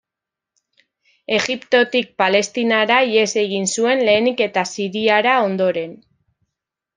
Egiptotik Palestinara ihes egin zuen lehenik eta Siriara ondoren.